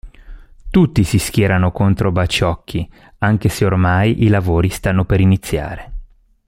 Tutti si schierano contro Baciocchi anche se ormai i lavori stanno per iniziare.